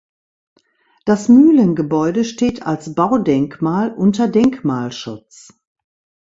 Das Mühlengebäude steht als Baudenkmal unter Denkmalschutz.